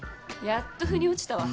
やっと腑に落ちたわ。